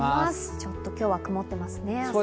ちょっと今日は曇ってますね。